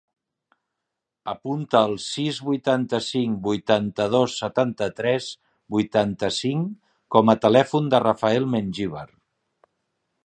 Apunta el sis, vuitanta-cinc, vuitanta-dos, setanta-tres, vuitanta-cinc com a telèfon del Rafael Mengibar.